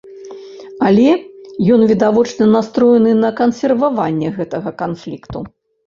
Але, ён відавочна настроены на кансерваванне гэтага канфлікту.